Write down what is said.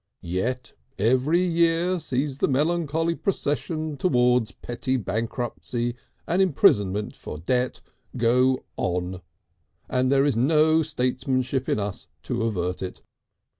Yet every year sees the melancholy procession towards petty bankruptcy and imprisonment for debt go on, and there is no statesmanship in us to avert it.